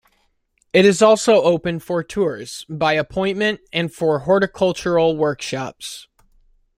It is also open for tours, by appointment, and for horticultural workshops.